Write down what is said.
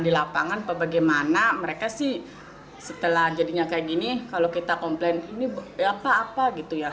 di lapangan apa bagaimana mereka sih setelah jadinya kayak gini kalau kita komplain ini apa apa gitu ya